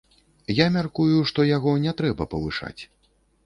Я мяркую, што яго не трэба павышаць.